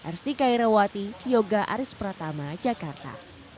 r stikai rawati yoga aris pratama jakarta